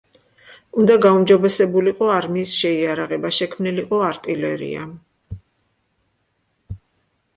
უნდა გაუმჯობესებულიყო არმიის შეიარაღება, შექმნილიყო არტილერია.